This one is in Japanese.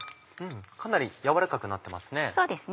かなり軟らかくなってますね。